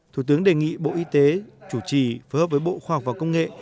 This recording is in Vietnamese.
thủ tướng đề nghị bộ y tế chủ trì phối hợp với bộ khoa học và công nghệ